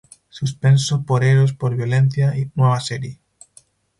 Suspenso x Eros x Violencia ¡nueva serie!